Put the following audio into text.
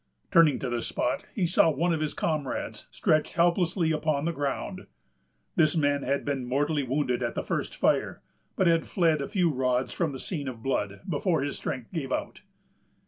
Turning to the spot, he saw one of his comrades stretched helpless upon the ground. This man had been mortally wounded at the first fire, but had fled a few rods from the scene of blood, before his strength gave out.